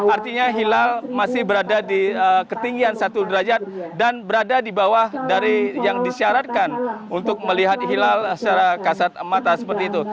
artinya hilal masih berada di ketinggian satu derajat dan berada di bawah dari yang disyaratkan untuk melihat hilal secara kasat mata seperti itu